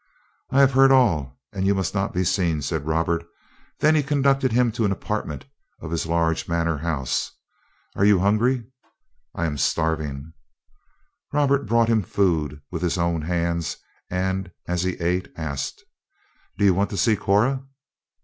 "I have heard all; you must not be seen," said Robert. Then he conducted him to an apartment of his large manor house. "Are you hungry?" "I am starving." Robert brought him food with his own hands and, as he ate, asked: "Do you want to see Cora?"